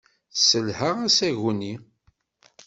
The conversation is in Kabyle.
Tesselha asagu-nni.